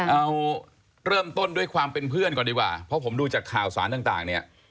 เอาเริ่มต้นด้วยความเป็นเพื่อนก่อนดีกว่าเพราะผมดูจากข่าวสารต่างเนี่ย